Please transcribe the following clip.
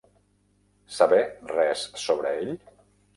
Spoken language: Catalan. Saber res sobre ell?